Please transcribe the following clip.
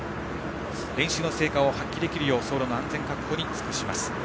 練習の成果を発揮できるよう走路の安全確保に尽くします。